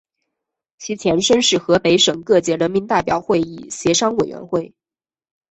其前身是河北省各界人民代表会议协商委员会。